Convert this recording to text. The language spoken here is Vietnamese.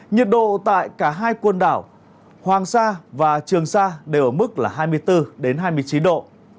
nhiệt độ tại cả hai quần đảo hoàng sa và trường sa đều ở mức là hai mươi bốn hai mươi chín độ